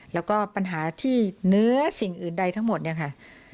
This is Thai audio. แล้วก็ปัญหาที่เนื้อสิ่งอื่นใดทั้งหมดเนี่ยค่ะ